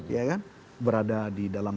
ya kan berada di dalam